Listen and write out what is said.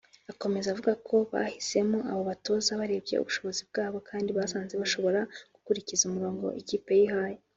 Akomeza avuga ko bahisemo aba batoza barebye ubushobozi bwabo kandi basanze bashobora gukurikiza umurongo ikipe yihaye